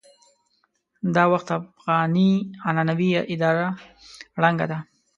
دا وخت افغاني عنعنوي اداره ړنګه ده.